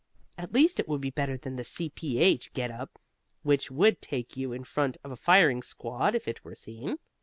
At least it will be better than the C. P. H. get up, which would take you in front of a firing squad if it were seen."